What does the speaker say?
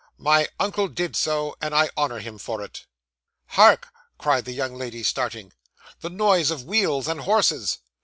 My uncle did so, and I honour him for it. '"Hark!" cried the young lady, starting. "The noise of wheels, and horses!"